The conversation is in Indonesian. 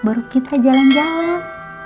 baru kita jalan jalan